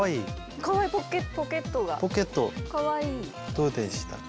どうでしたか？